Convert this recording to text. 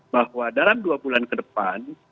bahwa dalam dua bulan ke depan